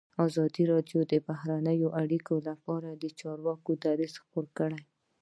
ازادي راډیو د بهرنۍ اړیکې لپاره د چارواکو دریځ خپور کړی.